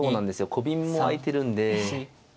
コビンも空いてるんで。